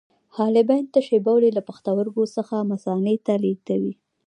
حالبین تشې بولې له پښتورګو څخه مثانې ته لیږدوي.